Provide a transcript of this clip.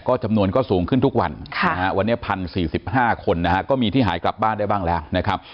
จำนวนก็สูงขึ้นทุกวันวันนี้๑๐๔๕คนนะฮะก็มีที่หายกลับบ้านได้บ้างแล้วนะครับ